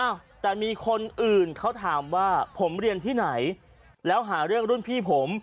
อ้าวแต่มีคนอื่นเขาถามว่าผมเรียนที่ไหนแล้วหาเรื่องรุ่นพี่ผม